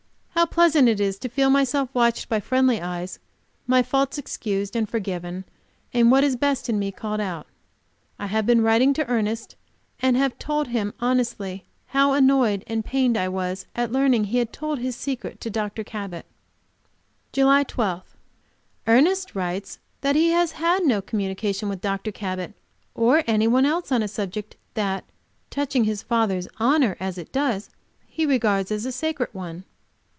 How pleasant it is to feel myself watched by friendly eyes, my faults excused and forgiven, and what is best in me called out. I have been writing to Ernest, and have told him honestly how annoyed and pained I was at learning that he had told his secret to Dr. Cabot. JULY 12. Ernest writes that he has had no communication with Dr. Cabot or any one else on subject that, touching his father's honor as it does, he regards as a sacred one.